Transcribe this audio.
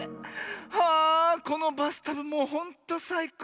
ああこのバスタブもうほんとさいこう。